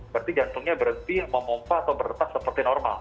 berarti jantungnya berhenti memompah atau berdetak seperti normal